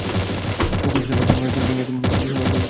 Coach Saiful Alam রিংকিকে সঙ্গে করে ডোপ পরীক্ষার ঘরে ঢুকলেন শাকিল।